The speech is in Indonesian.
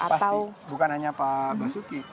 pasti bukan hanya pak basuki